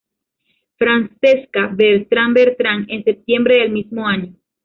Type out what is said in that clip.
Francesca Bertrán Bertrán, en septiembre del mismo año.